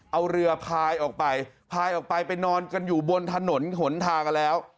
เอาเรือพายออกไปพายออกไปไปนอนกันอยู่บนถนนหนทางกันแล้ว